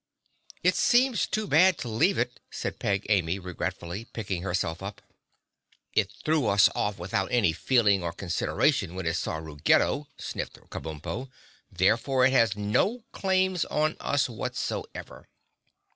"It seems too bad to leave it," said Peg Amy regretfully, picking herself up. "It threw us off without any feeling or consideration when it saw Ruggedo," sniffed Kabumpo. "Therefore it has no claims on us whatsoever."